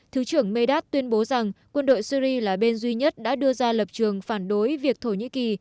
thứ trưởng medas tuyên bố rằng quân đội syri là bên duy nhất đã đưa ra lập trường phản đối việc thổ nhĩ kỳ